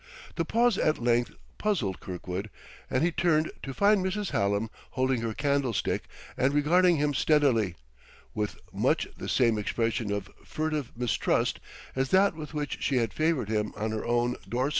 The pause at length puzzled Kirkwood, and he turned, to find Mrs. Hallam holding the candlestick and regarding him steadily, with much the same expression of furtive mistrust as that with which she had favored him on her own door stoop.